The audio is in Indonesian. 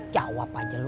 jawab aja lu